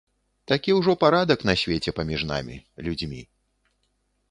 Такі ўжо парадак на свеце паміж намі, людзьмі.